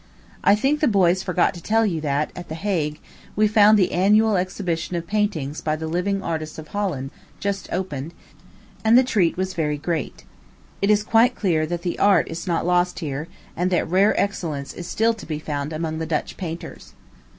I think the boys forgot to tell you that, at the Hague, we found the annual exhibition of paintings by the living artists of Holland, just opened, and the treat was very great. It is quite clear that the art is not lost here, and that rare excellence is still to be found among the Dutch painters.